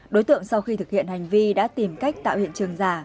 đối tượng sau khi thực hiện hành vi đã tìm cách tạo hiện trường giả